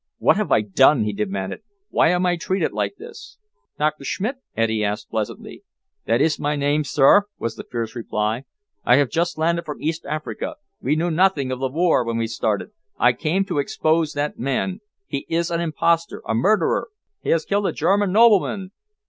"What have I done?" he demanded. "Why am I treated like this?" "Doctor Schmidt?" Eddy asked pleasantly. "That is my name, sir," was the fierce reply. "I have just landed from East Africa. We knew nothing of the war when we started. I came to expose that man. He is an impostor a murderer! He has killed a German nobleman."